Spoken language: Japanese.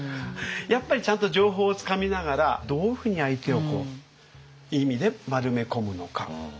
やっぱりちゃんと情報をつかみながらどういうふうに相手をいい意味で丸めこむのか。